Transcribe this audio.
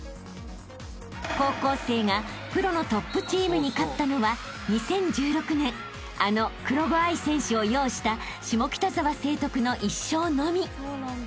［高校生がプロのトップチームに勝ったのは２０１６年あの黒後愛選手を擁した下北沢成徳の１勝のみ］